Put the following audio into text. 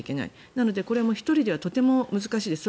なのでこれも１人ではとても難しいです。